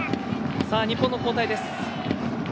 日本の交代です。